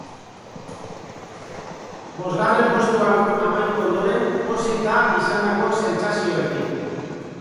Bosgarren postuan amaitu ondoren pozik da izandako sentsazioekin.